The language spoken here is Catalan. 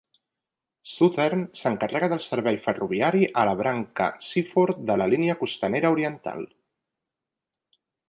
Southern s'encarrega del servei ferroviari a la branca de Seaford de la línia costanera oriental.